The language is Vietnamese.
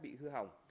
bị hư hỏng